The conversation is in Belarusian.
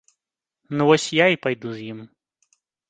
Ну вось, я і пайду з ім.